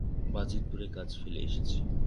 বাজিতপুরে কাজ ফেলে এসেছি।